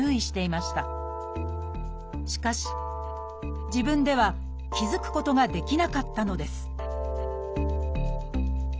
しかし自分では気付くことができなかったのです